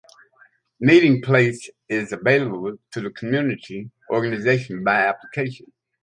Meeting space is available to community organizations by application.